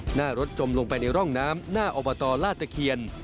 หน้ารถจมลงไปในร่องน้ำหน้าอบตลาตะเคียน